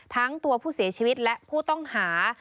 ทั้งตัวผู้เสียชีวิตและผู้ต้องหา